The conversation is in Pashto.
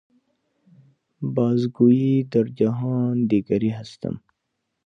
باز گوئی در جهان دیگری هستم.